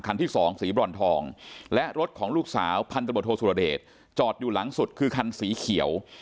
ที่สองสีบรอนทองและรถของลูกสาวพันธบทโทสุรเดชจอดอยู่หลังสุดคือคันสีเขียว